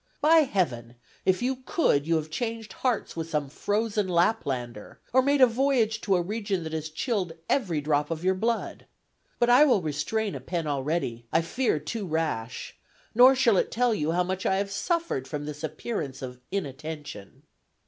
By Heaven, if you could, you have changed hearts with some frozen Laplander, or made a voyage to a region that has chilled every drop of your blood; but I will restrain a pen already, I fear, too rash, nor shall it tell you how much I have suffered from this appearance of inattention."